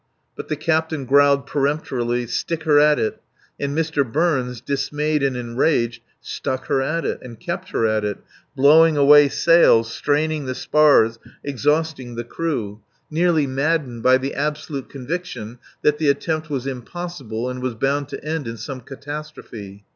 But the captain growled peremptorily, "Stick her at it," and Mr. Burns, dismayed and enraged, stuck her at it, and kept her at it, blowing away sails, straining the spars, exhausting the crew nearly maddened by the absolute conviction that the attempt was impossible and was bound to end in some catastrophe.